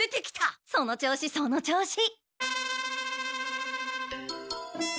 その調子その調子。